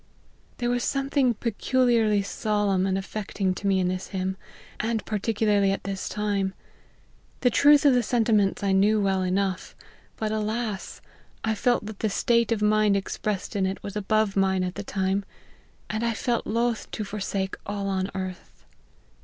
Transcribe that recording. " There was something peculiarly solemn and affecting to me in this hymn, and particularly at this time. The truth of the sentiments I knew well enough. But alas ! I felt that the state of mind expressed in it was above mine at the time ; and I felt loth to forsake all on earth."